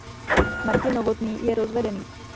Martin Novotný je rozvedený.